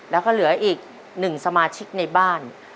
แล้วก็เหลืออีก๑สมาชิกในบ้าน